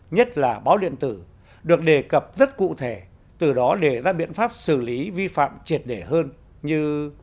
nhất là báo điện tử được đề cập rất cụ thể từ đó đề ra biện pháp xử lý vi phạm triệt để hơn như